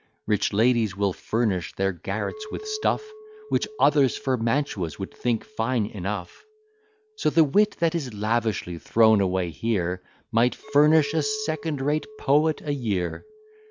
Rich ladies will furnish their garrets with stuff, Which others for mantuas would think fine enough: So the wit that is lavishly thrown away here, Might furnish a second rate poet a year.